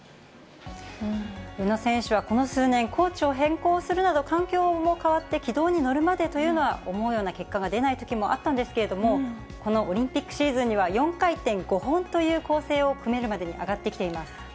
宇野選手はこの数年、コーチを変更するなど、環境も変わって、軌道に乗るまでというのは、思うような結果が出ないときもあったんですけど、このオリンピックシーズンには、４回転５本という構成を組めるまでに上がってきています。